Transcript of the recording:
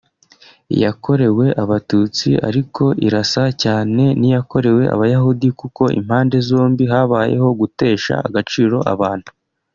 Iyakorewe Abatutsi ariko irasa cyane n’iyakorewe Abayahudi kuko impande zombi habayeho gutesha agaciro abantu